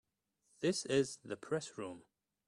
This is the Press Room.